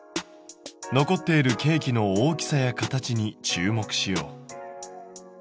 残っているケーキの大きさや形に注目しよう。